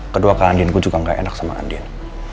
kedua ke andin gue juga nggak enak sama andin